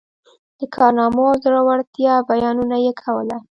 د کارنامو او زړه ورتیا بیانونه یې کول.